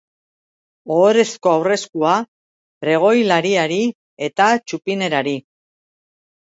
Ohorezko aurreskua pregoilariari eta txupinerari.